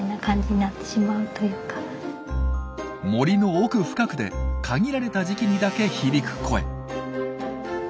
森の奥深くで限られた時期にだけ響く声。